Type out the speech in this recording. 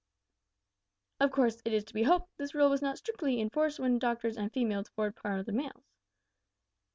"Of course, it is to be hoped, this rule was not strictly enforced when doctors and females formed part of the mails.